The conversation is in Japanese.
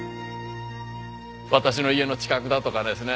「私の家の近くだ」とかですね